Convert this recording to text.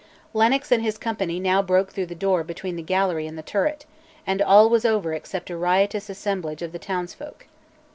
Lennox and his company now broke through the door between the gallery and the turret, and all was over except a riotous assemblage of the town's folk.